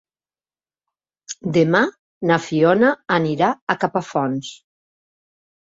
Demà na Fiona anirà a Capafonts.